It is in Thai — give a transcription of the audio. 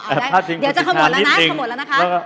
อ๋อเอาได้เดี๋ยวจะเข้าหมดแล้วนะเข้าหมดแล้วนะคะ